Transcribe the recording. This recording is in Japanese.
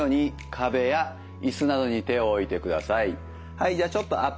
はいじゃあちょっとアップ